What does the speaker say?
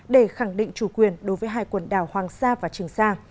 để khẳng định chủ quyền đối với hai quần đảo hoàng sa và trường sa